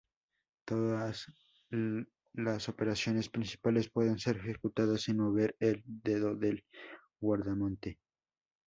Todos las operaciones principales pueden ser ejecutadas sin mover el dedo del guardamonte.